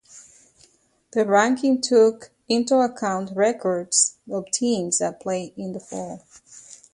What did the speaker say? The ranking took into account records of teams that played in the fall.